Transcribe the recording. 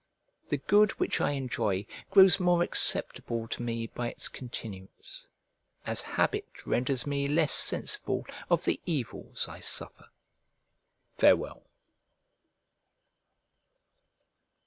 The good which I enjoy grows more acceptable to me by its continuance; as habit renders me less sensible of the evils I suffer. Farewell.